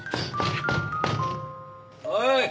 おい！